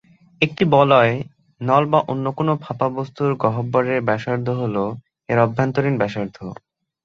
একটি বলয়, নল বা অন্য কোন ফাঁপা বস্তুর গহ্বরের ব্যাসার্ধ হল এর অভ্যন্তরীণ ব্যাসার্ধ।